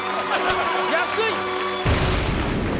安い！